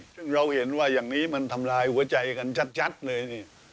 ซึ่งเราเห็นว่าอย่างนี้มันทำลายหัวใจกันชัดเลยนี่